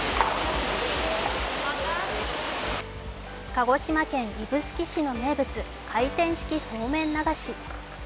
鹿児島県指宿市の名物回転式そうめん流し。